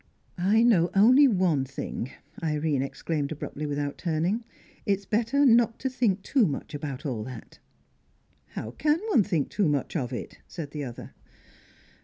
"I know only one thing," Irene exclaimed abruptly, without turning. "It's better not to think too much about all that." "How can one think too much of it?" said the other.